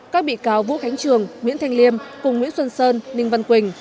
các bị cáo vũ khánh trường nguyễn thanh liêm cùng nguyễn xuân sơn ninh văn quỳnh